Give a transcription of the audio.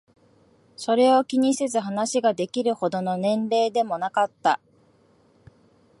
それを気にせず話ができるほどの年齢でもなかった。